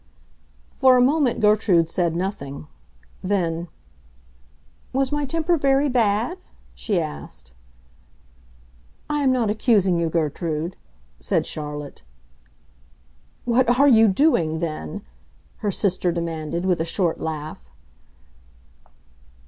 For a moment Gertrude said nothing. Then, "Was my temper very bad?" she asked. "I am not accusing you, Gertrude," said Charlotte. "What are you doing, then?" her sister demanded, with a short laugh.